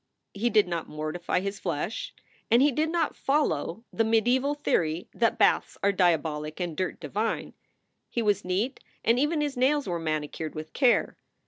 He did not mortify his flesh, and he did not follow the mediaeval theory that baths are dia bolic and dirt divine. He was neat and even his nails were manicured with care.